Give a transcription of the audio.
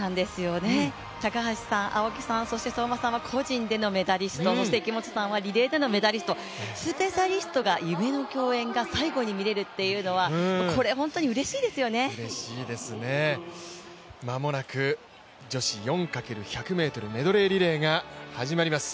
高橋さん、青木さん、そして相馬さんは個人でのメダリスト、そして池本さんはリレーでのメダリストスペシャリストが夢の共演が最後に見れるっていうのは間もなく女子４×１００ｍメドレーリレーが始まります。